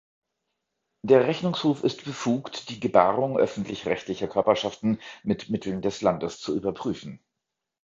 Der Rechnungshof ist befugt, die Gebarung öffentlichrechtlicher Körperschaften mit Mitteln des Landes zu überprüfen.